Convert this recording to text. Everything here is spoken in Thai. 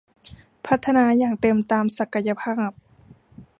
พัฒนาอย่างเต็มตามศักยภาพ